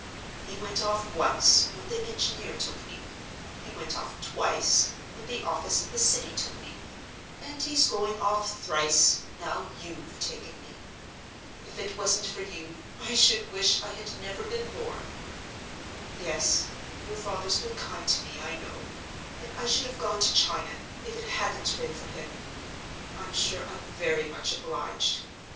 He went off, once, when the engineer took me; he went off, twice, when the office in the City took me; and he's going off, thrice, now you've taken me. If it wasn't for you, I should wish I had never been born. Yes; your father's been kind to me, I know—and I should have gone to China, if it hadn't been for him. I'm sure I'm very much obliged.